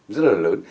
rất là lớn